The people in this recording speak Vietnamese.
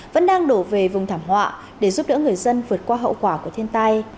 vẫn đang đổ về vùng thảm họa để giúp đỡ người dân vượt qua hậu quả của thiên tai